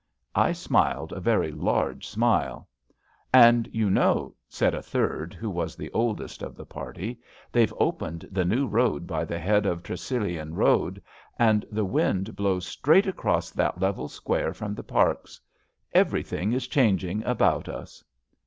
I smiled a very large smile. And you know," said a third, who was the oldest of the party, they've opened the new road by the head of Tresillion Boad, and the wind blows straight across that level square from the Parks. Everything is changing about us."